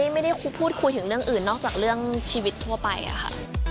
ไม่ได้พูดคุยถึงเรื่องอื่นนอกจากเรื่องชีวิตทั่วไปอะค่ะ